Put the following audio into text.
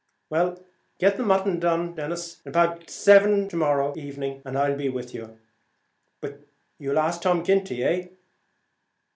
"Well, get the mutton done about seven to morrow evening, and I'll be with you. But you'll ask Tom Ginty, eh?"